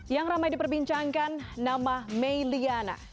yang ramai diperbincangkan nama mei liana